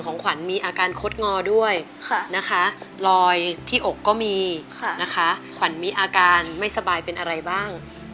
นะคะลอยที่อกก็มีนะคะขวัญมีอาการไม่สบายเป็นอะไรบ้าง